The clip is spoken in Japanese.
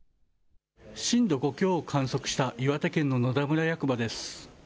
震度５強を観測した岩手県の野田村役場です。